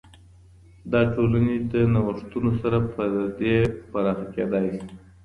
دا ټولني د نوښتونو سره په دی پراخه کيدا سي.